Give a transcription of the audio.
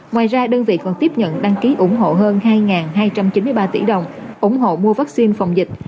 ngoài ra đơn vị còn tiếp nhận đăng ký ủng hộ hơn hai hai trăm chín mươi ba tỷ đồng ủng hộ mua vaccine phòng dịch